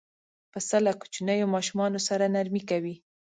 پسه له کوچنیو ماشومانو سره نرمي کوي.